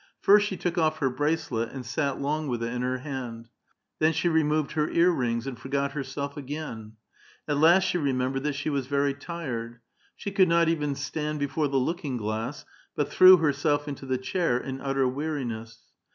First she took off her bracelet, and sat long with it in her hand ; then she removed her ear rings, and fortjot herself a^^ain. At last she remembered that she was very tired. She could not even stand before the looking glass, but threw herself into the chair in utter weariness.